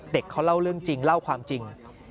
เขาเล่าเรื่องจริงเล่าความจริง